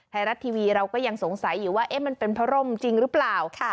ไทยรัฐทีวีเราก็ยังสงสัยอยู่ว่ามันเป็นพระร่มจริงหรือเปล่า